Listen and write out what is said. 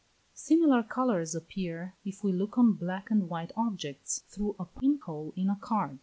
Similar colours appear if we look on black and white objects, through a pin hole in a card.